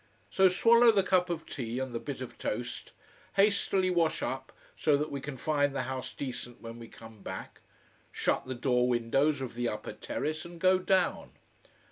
So swallow the cup of tea and the bit of toast. Hastily wash up, so that we can find the house decent when we come back. Shut the door windows of the upper terrace and go down.